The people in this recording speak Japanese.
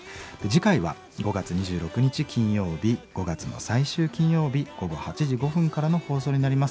次回は５月２６日金曜日５月の最終金曜日午後８時５分からの放送になります。